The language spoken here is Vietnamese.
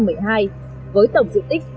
điểm du lịch bầu trắng huyện bắc bình